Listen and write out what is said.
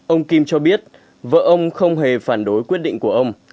ông kim cho biết vợ ông không hề phản đối quyết định của ông